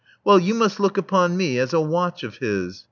Well, you must look upon me as a watch of his.